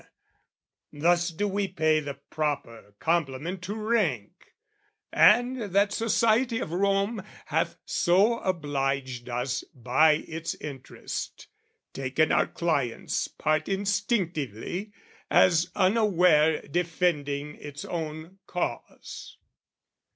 Thus do we pay the proper compliment To rank, and that society of Rome, Hath so obliged us by its interest, Taken our client's part instinctively, As unaware defending its own cause.